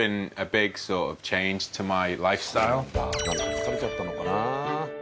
疲れちゃったのかなぁ。